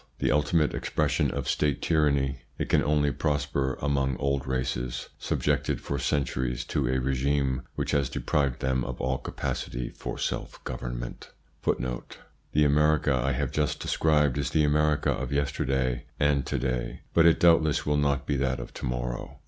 The ultimate expression of State tyranny, it can only prosper among old races, subjected for centuries to a regime which has deprived them of all capacity for self government. 1 We have just seen what has been accomplished in 1 The America I have just described is the America of yesterday and to day, but it doubtless will not be that of to morrow.